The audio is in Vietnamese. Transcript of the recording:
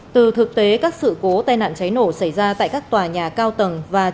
từ thực tế các sự cố tai nạn cháy nổ xảy ra tại các tòa nhà cao tầng và